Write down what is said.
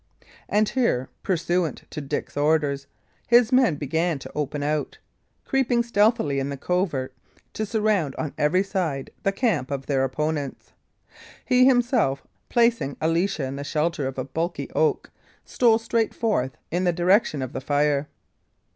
And here, pursuant to Dick's orders, his men began to open out, creeping stealthily in the covert, to surround on every side the camp of their opponents. He himself, placing Alicia in the shelter of a bulky oak, stole straight forth in the direction of the fire.